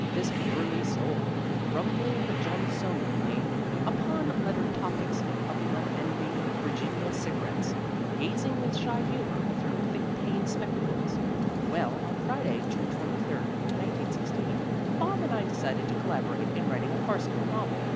This burly soul, rumbling Johnsonianly upon lettered topics, puffing unending Virginia cigarettes, gazing with shy humor through thick paned spectacles well, on Friday, June 23, 1916, Bob and I decided to collaborate in writing a farcical novel.